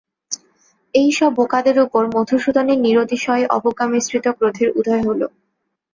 এই-সব বোকাদের উপর মধুসূদনের নিরতিশয় অবজ্ঞা-মিশ্রিত ক্রোধের উদয় হল।